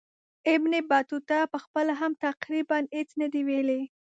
ابن بطوطه پخپله هم تقریبا هیڅ نه دي ویلي.